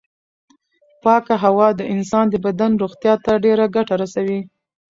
پاکه هوا د انسان د بدن روغتیا ته ډېره ګټه رسوي.